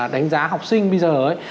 đánh giá học sinh bây giờ ấy